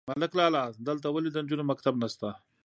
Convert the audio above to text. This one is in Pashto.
_ملک لالا! دلته ولې د نجونو مکتب نشته؟